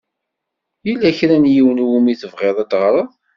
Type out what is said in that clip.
Yella kra n yiwen i wumi tebɣiḍ ad teɣṛeḍ?